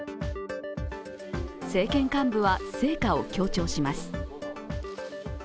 政権幹部は成果を強調します。